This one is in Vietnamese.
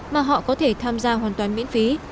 mà họ có thể tham gia hoàn toàn miễn phí